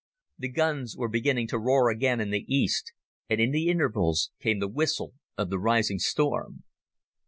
The guns were beginning to roar again in the east, and in the intervals came the whistle of the rising storm.